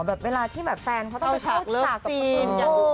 แบบเวลาที่แฟนเขาต้องกดสารกับถูก